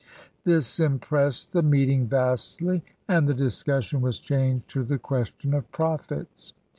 This impressed the meeting vastly, and the discussion was changed to the question of profits.